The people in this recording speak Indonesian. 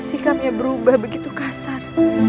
sikapnya berubah begitu kasar